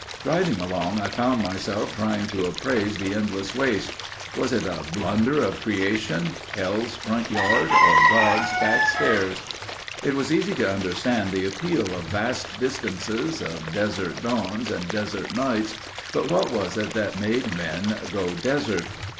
Driving along I found myself trying to appraise the endless waste. Was it a blunder of creation, hell's front yard or God's back stairs? It was easy to understand the appeal of vast distances, of desert dawns and desert nights but what was it that made men "go desert"?